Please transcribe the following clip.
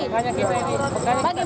nggak ada sama sekali